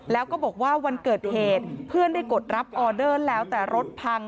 แล้วก็บอกว่าวันเกิดเหตุเพื่อนได้กดรับออเดอร์แล้วแต่รถพัง